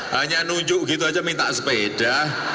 hanya nunjuk gitu aja minta sepeda